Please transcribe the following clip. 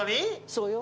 そうよ。